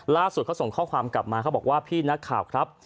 ล่าสุดเขาส่งข้อความกลับมาเขาบอกว่าพี่นักข่าวครับ